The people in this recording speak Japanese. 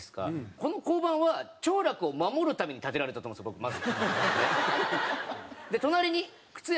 この交番は、兆楽を守るために建てられたと思うんですよ